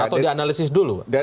atau dianalisis dulu